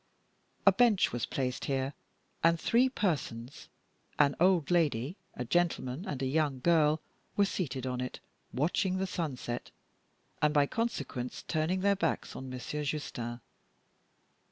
A bench was placed here, and three persons an old lady, a gentleman, and a young girl were seated on it, watching the sunset, and by consequence turning their backs on Monsieur Justin.